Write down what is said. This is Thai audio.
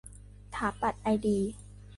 ถาปัตย์ไอดี